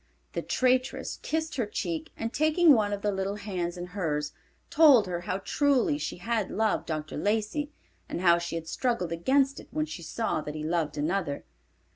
The traitress kissed her cheek, and taking one of the little hands in hers, told her how truly she had loved Dr. Lacey, and how she had struggled against it when she saw that he loved another.